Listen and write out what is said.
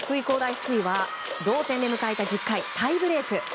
工大福井は同点で迎えた１０回タイブレーク。